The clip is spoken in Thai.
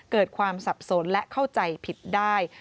เกิดความสับสนและเข้าใจผิดได้